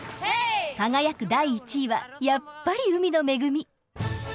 輝く第１位はやっぱり海の恵み！